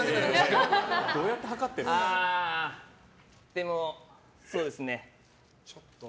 でも、そうですね。